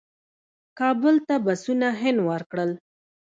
کابل ته بسونه هند ورکړل.